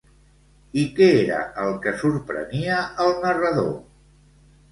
I què era el que sorprenia el narrador?